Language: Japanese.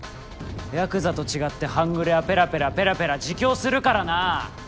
ヤクザと違って半グレはペラペラペラペラ自供するからな。